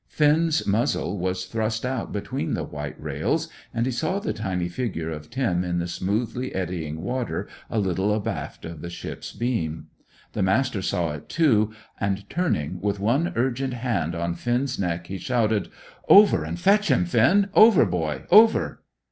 Finn's muzzle was thrust out between the white rails, and he saw the tiny figure of Tim in the smoothly eddying water a little abaft of the ship's beam. The Master saw it, too, and, turning, with one urgent hand on Finn's neck, he shouted "Over and fetch him, Finn! Over boy! Over!"